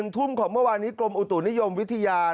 ทุ่มของเมื่อวานนี้กรมอุตุนิยมวิทยา